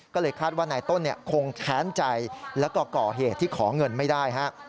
ก็เลยคาดว่านายต้นคงแค้นใจแล้วก็ก่อเหตุที่ขอเงินไม่ได้ฮะ